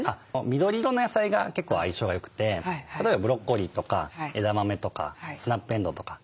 緑色の野菜が結構相性がよくて例えばブロッコリーとか枝豆とかスナップエンドウとか。